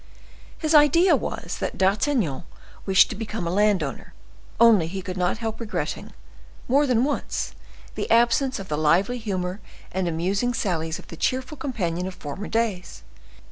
His idea was that D'Artagnan wished to become a land owner, only he could not help regretting, more than once, the absence of the lively humor and amusing sallies of the cheerful companion of former days.